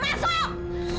tutup saja gerbangnya masuk